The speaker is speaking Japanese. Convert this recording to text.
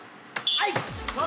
はい！